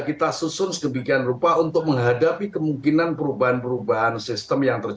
kita susun sedemikian rupa untuk menghadapi kemungkinan perubahan perubahan sistem yang terjadi